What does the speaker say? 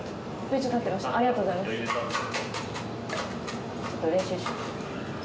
ちょっと練習します